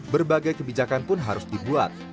berbagai kebijakan pun harus dibuat